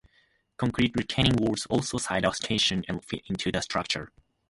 Concrete retaining walls also side the station and fit into the structure.